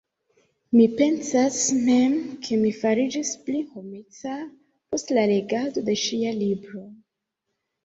Mi pensas mem, ke mi fariĝis pli homeca post la legado de ŝia libro.